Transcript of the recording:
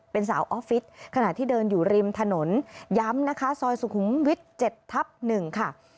เป็นสาวออฟฟิศขณะที่เดินอยู่ริมถนนย้ำนะคะซอยสุขุมวิทย์๗ทับ๑ค่ะ